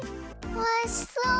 おいしそう！